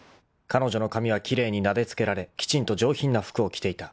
［彼女の髪は奇麗になでつけられきちんと上品な服を着ていた］